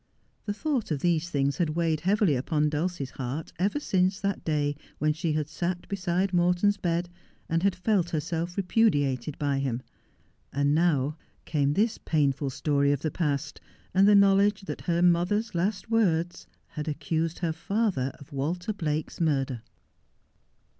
The thought of these things had weighed heavily upon Dulcie's heart ever since that day when she had sat beside Morton's bed, and had felt herself repudiated by him ; and now came this pain ful story of the past, and the knowledge that her mother's last words had accused her father of Walter Blake's murder.